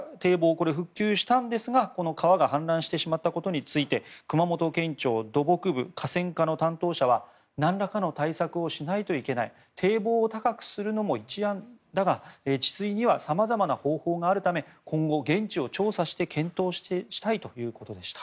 これは復旧したんですがこの川が氾濫してしまったことについて熊本県庁土木部河川課の担当者はなんらかの対策をしないといけない堤防を高くするのも一案だが治水には様々な方法があるため今後、現地を調査して検討したいということでした。